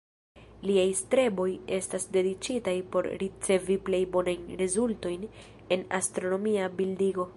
Liaj streboj estas dediĉitaj por ricevi plej bonajn rezultojn en astronomia bildigo.